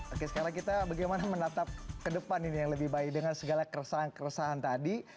oke sekarang kita bagaimana menatap ke depan ini yang lebih baik dengan segala keresahan keresahan tadi